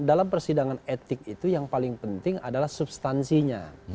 dalam persidangan etik itu yang paling penting adalah substansinya